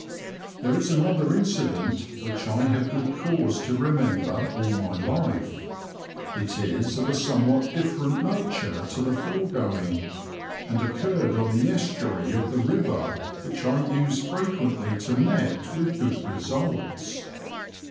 There is another incident which I have good cause to remember all my life. It is of a somewhat different nature to the foregoing, and occurred on the estuary of the river which I used frequently to net with good results.